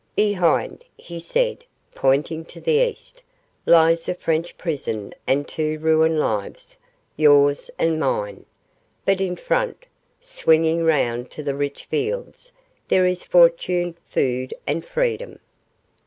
'Behind,' he said, pointing to the east, 'lies a French prison and two ruined lives yours and mine but in front,' swinging round to the rich fields, 'there is fortune, food, and freedom.